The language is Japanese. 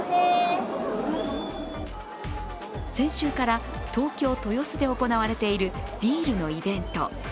先週から東京・豊洲で行われているビールのイベント。